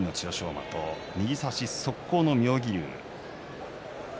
馬と右差し速攻の妙義龍。